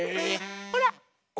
ほら。